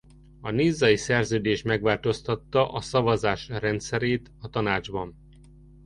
A nizzai szerződés megváltoztatta a szavazás rendszerét a Tanácsban.